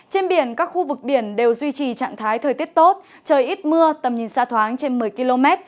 trên biển các khu vực biển đều duy trì trạng thái thời tiết tốt trời ít mưa tầm nhìn xa thoáng trên một mươi km